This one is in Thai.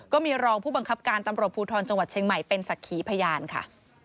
ก็มีรองผู้บังคับการตำรวจภูทรจังหวัดเชียงใหม่เป็นศักดิ์ขีพยานค่ะ